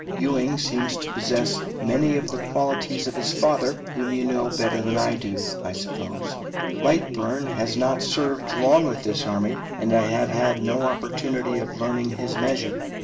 Ewing seems to possess many of the qualities of his father, whom you know better than I do, I suppose. Lightburne has not served long with this army, and I have had no opportunity of learning his measure.